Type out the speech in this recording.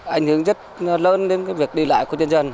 anh hướng rất lớn đến việc đi lại của dân dân